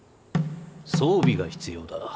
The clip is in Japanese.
装備が必要だ。